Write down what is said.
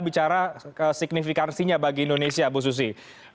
bicara signifikansinya bagi indonesia bu susi